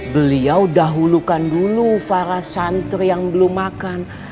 beliau dahulukan dulu para santri yang belum makan